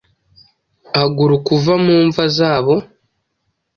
Haguruka uva mu mva zabo,